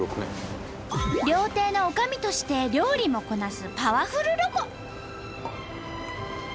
料亭のおかみとして料理もこなすパワフルロコ！